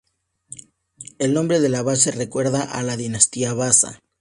El nombre de la base recuerda a la Dinastía Vasa.